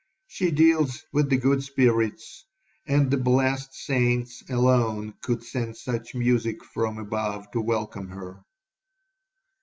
She deals with the good spirits; and the blessed saints alone could send such music from above to welcome her.'